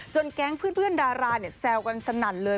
แก๊งเพื่อนดาราเนี่ยแซวกันสนั่นเลย